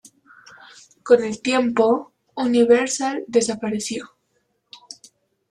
Con el tiempo, Universal desapareció.